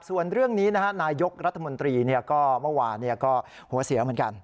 ส่วนเรื่องนี้นายกรัฐมนตรีก็เมื่อวานก็หัวเสียเหมือนกัน